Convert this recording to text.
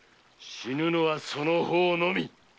死ぬのはその方のみ。